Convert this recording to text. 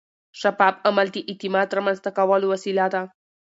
شفاف عمل د اعتماد رامنځته کولو وسیله ده.